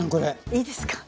いいですか？